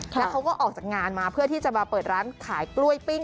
แล้วเขาก็ออกจากงานมาเพื่อที่จะมาเปิดร้านขายกล้วยปิ้ง